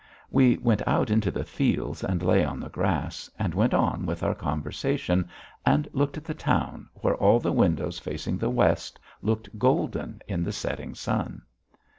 We went out into the fields and lay on the grass, and went on with our conversation and looked at the town, where all the windows facing the west looked golden in the setting sun.